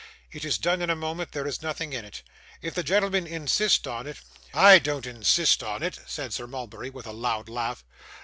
'It is done in a moment; there is nothing in it. If the gentlemen insist on it ' 'I don't insist on it,' said Sir Mulberry, with a loud laugh.